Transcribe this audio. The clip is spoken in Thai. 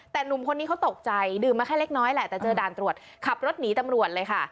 แต่หนุ่มคนนี้เขาตกใจดื่มมาแค่เล็กน้อยแหละแต่เจอด่านตรวจขับรถหนีตำรวจเลยค่ะ